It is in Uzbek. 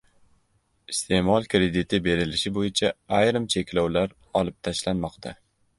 Iste’mol krediti berilishi bo‘yicha ayrim cheklovlar olib tashlanmoqda